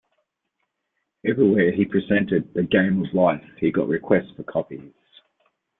Everywhere he presented "The Game of Life", he got requests for copies.